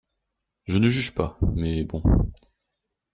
Je ne juge pas, mais bon.